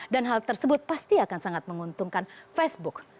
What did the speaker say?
dan hal tersebut pasti akan sangat menguntungkan facebook